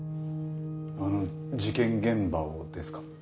あの事件現場をですか？